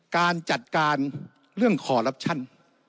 การจัดการเรื่องคอลลับชั่น